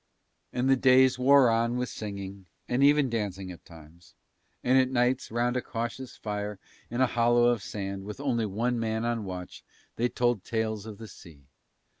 And the days wore on with singing, and even dancing at times, and at nights round a cautious fire in a hollow of sand with only one man on watch they told tales of the sea.